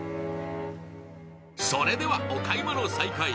それではお買い物再開。